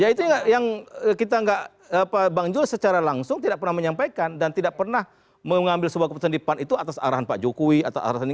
ya itu yang kita nggak pak bang jul secara langsung tidak pernah menyampaikan dan tidak pernah mengambil sebuah keputusan di pan itu atas arahan pak jokowi atau arahan ini